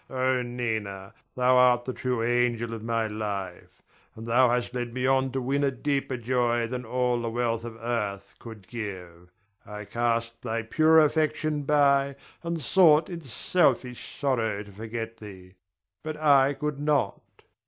Oh, Nina, thou art the true angel of my life; and thou hast led me on to win a deeper joy than all the wealth of earth could give. I cast thy pure affection by, and sought in selfish sorrow to forget thee; but I could not.